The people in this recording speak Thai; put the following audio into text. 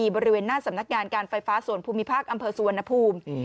บริเวณหน้าสำนักงานการไฟฟ้าส่วนภูมิภาคอำเภอสุวรรณภูมิ